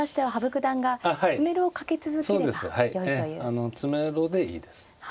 ええ詰めろでいいです。